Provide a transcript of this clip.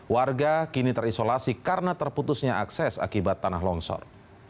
warga kini terisolasi karena terputusnya akses akibat tanah longsor